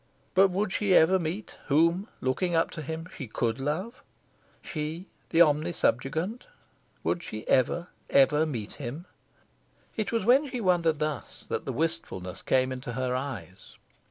But would she ever meet whom, looking up to him, she could love she, the omnisubjugant? Would she ever, ever meet him? It was when she wondered thus, that the wistfulness came into her eyes.